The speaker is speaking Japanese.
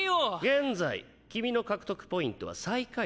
現在君の獲得ポイントは最下位だ。